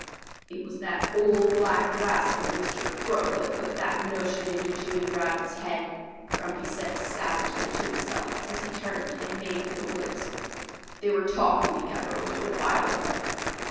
"It was that old black rascal, Mr. Crow, that put that notion into Jimmy Rabbit's head," Grumpy said savagely to himself as he turned and made for the woods. "They were talking together a little while ago."